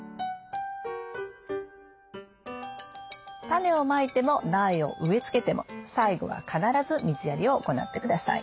タネをまいても苗を植え付けても最後は必ず水やりを行ってください。